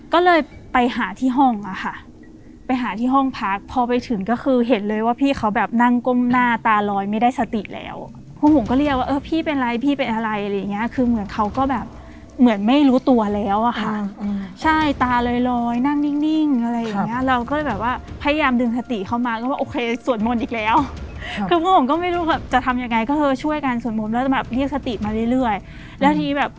ก็เลยไปหาที่ห้องอ่ะค่ะไปหาที่ห้องพักพอไปถึงก็คือเห็นเลยว่าพี่เขาแบบนั่งก้มหน้าตาลอยไม่ได้สติแล้วคุณผมก็เรียกว่าเออพี่เป็นไรพี่เป็นอะไรอะไรอย่างเงี้ยคือเหมือนเขาก็แบบเหมือนไม่รู้ตัวแล้วอ่ะค่ะอืมอืมใช่ตาลอยลอยนั่งนิ่งนิ่งอะไรอย่างเงี้ยเราก็เลยแบบว่าพยายามดึงสติเข้ามาก็ว่าโอเคส่วนมนต์อีกแล